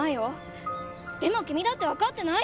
でも君だって分かってないよ！